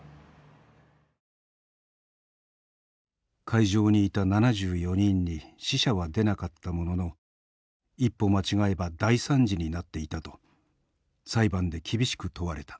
会場にいた７４人に死者は出なかったものの一歩間違えば大惨事になっていたと裁判で厳しく問われた。